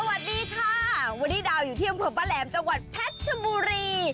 สวัสดีค่ะวันนี้ดาวอยู่ที่อำเภอป้าแหลมจังหวัดเพชรชบุรี